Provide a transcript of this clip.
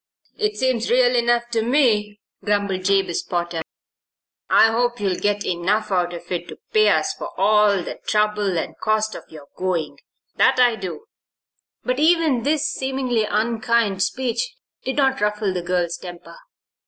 "It seems real enough to me," grumbled Jabez Potter. "I hope you'll get enough out of it to pay us for all the trouble and cost of your going that I do." But even this seemingly unkind speech did not ruffle the girl's temper.